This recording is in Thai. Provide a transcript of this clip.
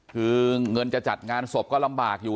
คือเงินจะจัดงานศพก็ลำบากอยู่